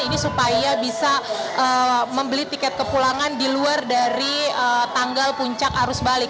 ini supaya bisa membeli tiket kepulangan di luar dari tanggal puncak arus balik